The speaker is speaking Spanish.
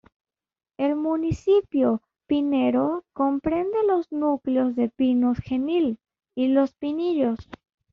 El municipio pinero comprende los núcleos de Pinos Genil y Los Pinillos.